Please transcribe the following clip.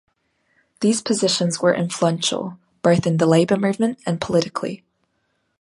These positions were influential both in the labour movement and politically.